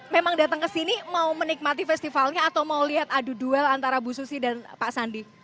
memang datang ke sini mau menikmati festivalnya atau mau lihat adu duel antara bu susi dan pak sandi